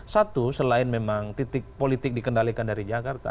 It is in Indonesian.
satu selain memang titik politik dikendalikan dari jakarta